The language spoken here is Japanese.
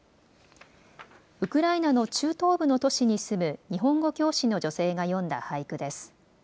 ウクライナの中東部の都市に住む日本語教師の女性が詠んだ俳句です。